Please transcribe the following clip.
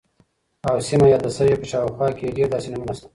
او سیمه یاده شوې، په شاوخوا کې یې ډیر داسې نومونه شته،